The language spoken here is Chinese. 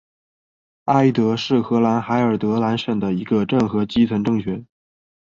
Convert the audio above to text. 埃德是荷兰海尔德兰省的一个镇和基层政权。